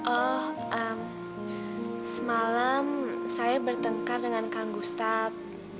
oh semalam saya bertengkar dengan kang gustap